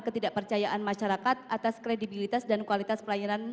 ketidakpercayaan masyarakat atas kredibilitas dan kualitas pelayanan